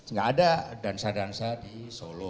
nggak ada dansa dansa di solo